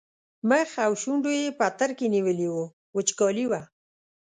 مخ او شونډو یې پترکي نیولي وو وچکالي وه.